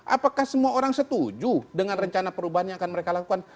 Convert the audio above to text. apakah semua orang setuju dengan rencana perubahan yang akan mereka lakukan